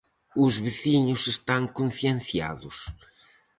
Os veciños están concienciados.